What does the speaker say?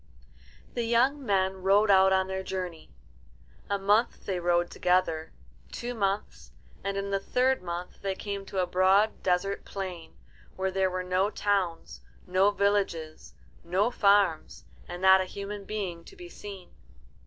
The young men rode out on their journey. A month they rode together, two months, and in the third month they came to a broad desert plain, where there were no towns, no villages, no farms, and not a human being to be seen.